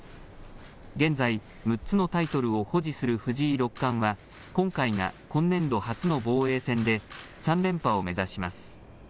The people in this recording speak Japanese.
現在６つのタイトルを保持する藤井六冠は今回が今年度初の防衛戦で３連覇を目指します。